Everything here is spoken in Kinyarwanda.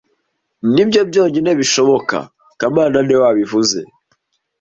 Nibyo byonyine bishoboka kamana niwe wabivuze